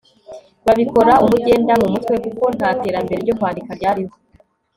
babikora umugenda (mu mutwe) kuko ntaterambere ryo kwandika ryariho